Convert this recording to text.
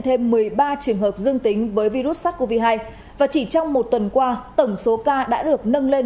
thêm một mươi ba trường hợp dương tính với virus sars cov hai và chỉ trong một tuần qua tổng số ca đã được nâng lên